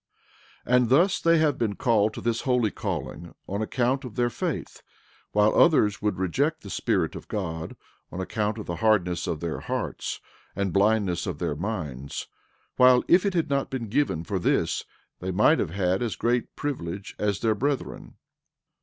13:4 And thus they have been called to this holy calling on account of their faith, while others would reject the Spirit of God on account of the hardness of their hearts and blindness of their minds, while, if it had not been for this they might have had as great privilege as their brethren.